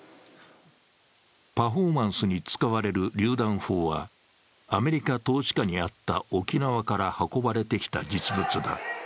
パフォーマンスに使われる榴弾砲は、アメリカ統治下にあった沖縄から運ばれてきた実物だ。